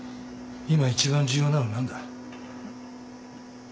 今一番重要なの何だ。えっ？